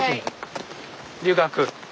留学？